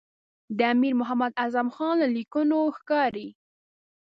د امیر محمد اعظم خان له لیکونو ښکاري.